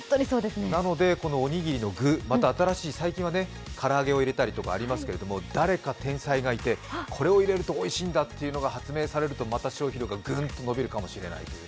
なので、おにぎりの具最近新しい、唐揚げを入れたりしてますけど誰か天才がいて、これを入れるとおいしいんだというのが発明されるとまた消費量がぐんと伸びるかもしれない。